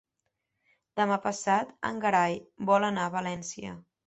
Demà passat en Gerai vol anar a València.